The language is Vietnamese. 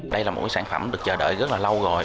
đây là một sản phẩm được chờ đợi rất là lâu rồi